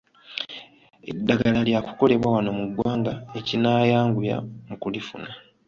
Eddagala lya kukolebwa wano mu ggwanga ekinayanguya mu kulifuna.